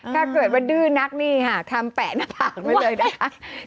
ถ้าเกิดว่าดื้อนักนี่ค่ะทำแปะหน้าผากไว้เลยนะคะ